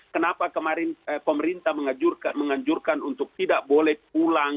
kenapa kemarin pemerintah menganjurkan untuk tidak boleh pulang